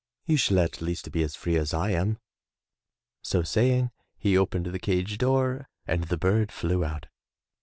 You shall at least be as free as I am.'* So saying, he opened the cage door and the bird flew out.